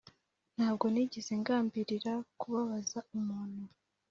Ntabwo nigeze ngambirira kubabaza umuntu